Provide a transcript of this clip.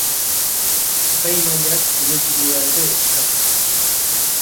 Epaimahaiak zure burua ere eskatu du.